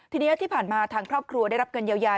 ทีนี้ที่ผ่านมาทางครอบครัวได้รับเงินเยียวยา